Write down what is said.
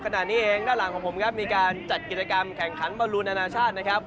ขณะนี้เองด้านหลังของผมครับมีการจัดกิจกรรมแข่งขันบอลลูนอนาชาตินะครับ